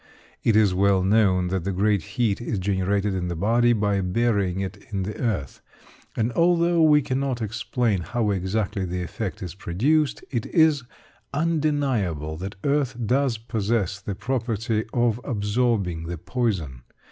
It is well known that great heat is generated in the body by burying it in the earth; and although we cannot explain how exactly the effect is produced, it is undeniable that earth does possess the property of absorbing the poison.